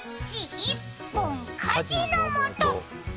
１本火事のもと。